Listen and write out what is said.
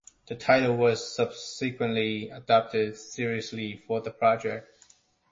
The title was subsequently adopted seriously for the project.